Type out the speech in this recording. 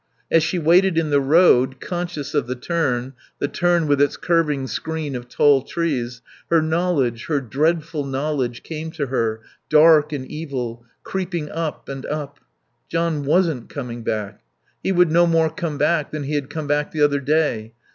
As she waited in the road (conscious of the turn, the turn with its curving screen of tall trees) her knowledge, her dreadful knowledge, came to her, dark and evil, creeping up and up. John wasn't coming back. He would no more come back than he had come back the other day.